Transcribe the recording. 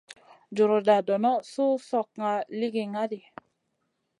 Juruda dono suh slokŋa ligi ŋali.